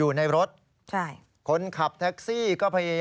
มันเกิดเหตุเป็นเหตุที่บ้านกลัว